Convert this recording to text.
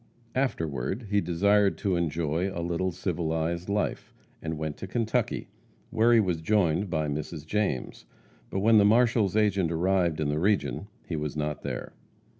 Afterward he desired to enjoy a little civilized life and went to Kentucky, where he was joined by Mrs. James. But when the marshal's agent arrived in the region he was not there.